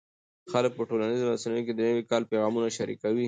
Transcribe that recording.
خلک په ټولنیزو رسنیو کې د نوي کال پیغامونه شریکوي.